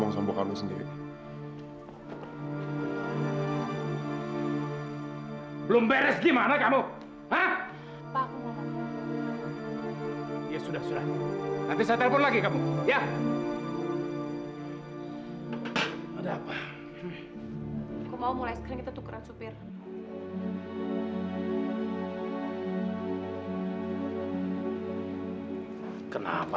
gak perlu aku naik taksi aja